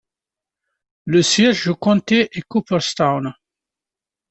Le siège du comté est Cooperstown.